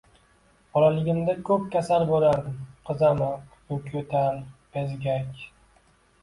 Bolaligimda ko‘p kasal bo‘lardim: qizamiq, ko‘kyo‘tal, bezgak...